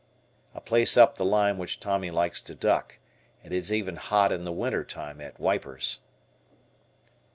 A place up the line which Tommy likes to duck. It is even "hot" in the winter time at "Wipers."